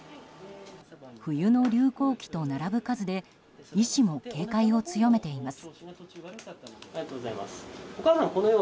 冬の流行期と並ぶ数で医師も警戒を強めています。